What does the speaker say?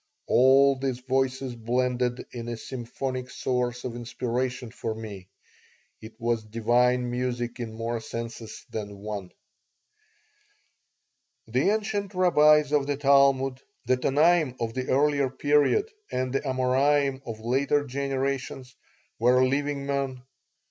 All these voices blended in a symphonic source of inspiration for me. It was divine music in more senses than one The ancient rabbis of the Talmud, the Tanaim of the earlier period and the Amorairn of later generations, were living men.